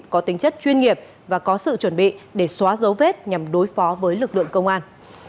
có tính chất chuyên nghiệp và có sự chuẩn bị để xóa dấu vết nhằm đối phó với lực lượng công an